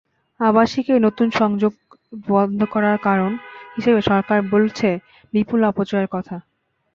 আবাসিকে নতুন সংযোগ বন্ধ করার কারণ হিসেবে সরকার বলছে বিপুল অপচয়ের কথা।